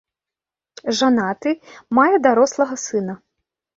Жанаты, мае дарослага сына.